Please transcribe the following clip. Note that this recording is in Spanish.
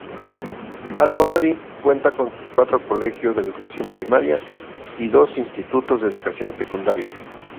Almoradí cuenta con cuatro colegios de Educación Primaria y dos Institutos de Educación Secundaria.